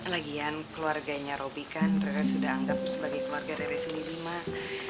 lagian keluarganya robi kan rere sudah anggap sebagai keluarga rere sendiri mak